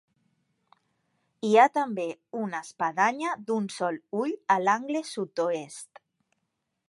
Hi ha també una espadanya d'un sol ull a l'angle sud-oest.